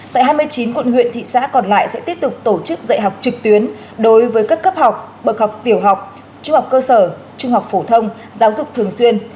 tại hai mươi chín quận huyện thị xã còn lại sẽ tiếp tục tổ chức dạy học trực tuyến đối với các cấp học bậc học tiểu học trung học cơ sở trung học phổ thông giáo dục thường xuyên